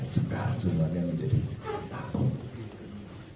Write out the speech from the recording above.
sekarang semuanya menjadi patuh